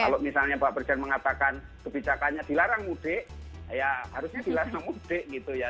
kalau misalnya pak presiden mengatakan kebijakannya dilarang mudik ya harusnya dilarang mudik gitu ya